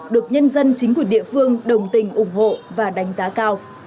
được nhân dân chính quyền địa phương đồng tình ủng hộ và đánh giá cao